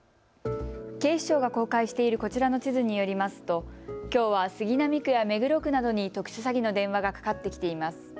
警視庁が公開しているこちらの地図によりますときょうは杉並区や目黒区などに特殊詐欺の電話がかかってきています。